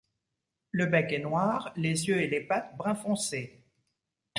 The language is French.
Le bec est noir, les yeux et les pattes brun foncé.